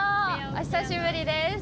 お久しぶりです。